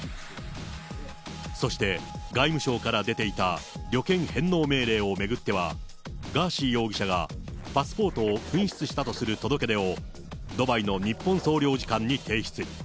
そして、外務省から出ていた旅券返納命令を巡っては、ガーシー容疑者がパスポートを紛失したとする届け出を、ドバイの日本総領事館に提出。